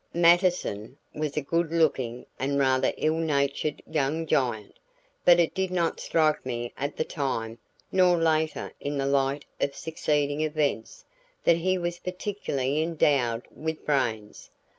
Mattison was a good looking and rather ill natured young giant, but it did not strike me at the time, nor later in the light of succeeding events, that he was particularly endowed with brains.